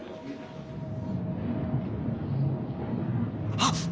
あっ！